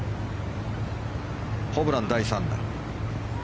ホブラン、第３打。